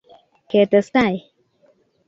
ketestai